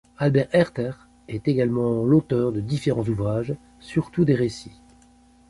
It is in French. Albert Herter est également l'auteur de différents ouvrages, surtout des récits.